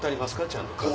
ちゃんと風。